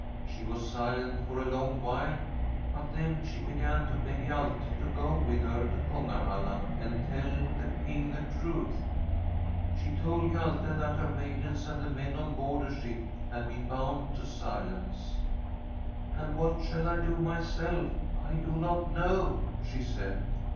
She was silent for a long while, but then she began to beg Hjalte to go with her to Kungahalla and tell the King the truth. She told Hjalte that her maidens and the men on board her ship had been bound to silence. ASTRID ' And what I shall do myself I do not know/ she said.